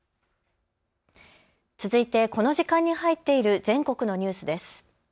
続いてこの時間に入っている全国のニュースです。